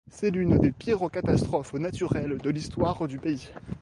C'est l'une des pires catastrophes naturelles de l'histoire du pays.